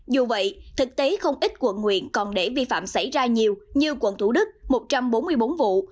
dù vậy thực tế không ít quận nguyện còn để vi phạm xảy ra nhiều như quận thủ đức một trăm bốn mươi bốn vụ